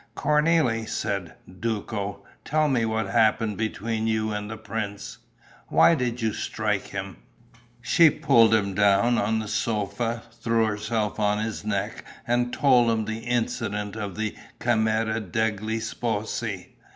"Cornélie," said Duco, "tell me what happened between you and the prince. Why did you strike him?" She pulled him down on the sofa, threw herself on his neck and told him the incident of the camera degli sposi.